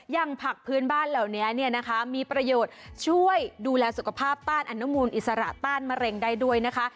อย่างผักพื้นบ้านเหล่านี้เนี่ยนะคะมีประโยชน์ช่วยดูแลสุขภาพต้านอนุมูลอิสระต้านมะเร็งได้ด้วยนะคะ